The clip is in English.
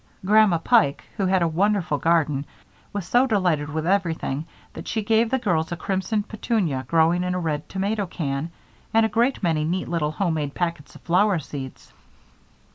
Grandma Pike, who had a wonderful garden, was so delighted with everything that she gave the girls a crimson petunia growing in a red tomato can, and a great many neat little homemade packets of flower seeds.